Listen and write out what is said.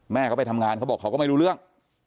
แม่เขาไปทำงานเขาบอกเขาก็ไม่รู้เรื่อง